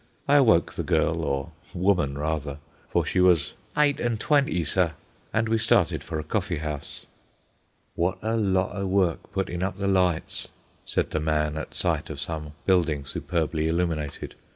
I awoke the girl, or woman, rather, for she was "Eyght an' twenty, sir," and we started for a coffee house. "Wot a lot o' work puttin' up the lights," said the man at sight of some building superbly illuminated.